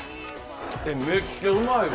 めっちゃうまいわ。